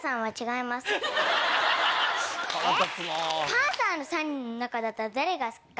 パンサーの３人の中だったら誰が好きか？